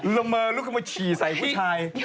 ล้อมมาลูกเข้ามาฉี่ใส่ผู้ชาย